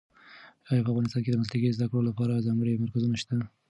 ایا په افغانستان کې د مسلکي زده کړو لپاره ځانګړي مرکزونه شته؟